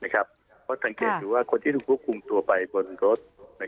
ก็ดังนั้นรู้สึกว่าคนที่ถูกคุมตัวไปบนรถ